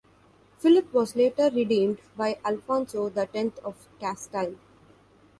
Philip was later redeemed by Alfonso the Tenth of Castile.